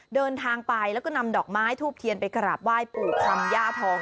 เดินทางไปแล้วก็นำดอกไม้ทูบเทียนไปกราบไหว้ปู่คำย่าทอง